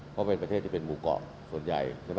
เพราะเป็นประเทศที่เป็นหมู่เกาะส่วนใหญ่ใช่ไหม